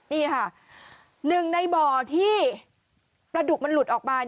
นี่ค่ะหนึ่งในบ่อที่ปลาดุกมันหลุดออกมา